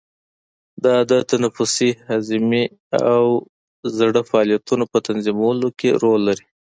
دا د تنفسي، هضمي او زړه فعالیتونو په تنظیمولو کې رول لري.